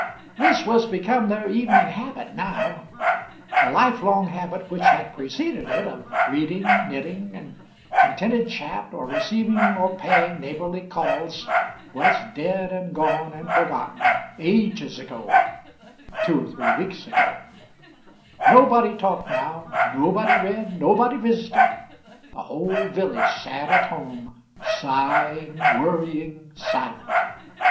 This was become their evening habit now: the life long habit which had preceded it, of reading, knitting, and contented chat, or receiving or paying neighbourly calls, was dead and gone and forgotten, ages ago two or three weeks ago; nobody talked now, nobody read, nobody visited the whole village sat at home, sighing, worrying, silent.